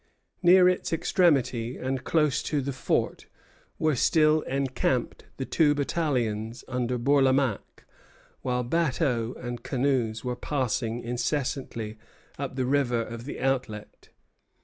Near its extremity and close to the fort were still encamped the two battalions under Bourlamaque, while bateaux and canoes were passing incessantly up the river of the outlet.